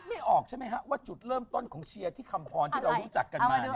ไม่ออกใช่ไหมฮะว่าจุดเริ่มต้นของเชียร์ที่คำพรที่เรารู้จักกันมา